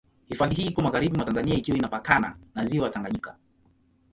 Hifadhi hii iko magharibi mwa Tanzania ikiwa inapakana na Ziwa Tanganyika.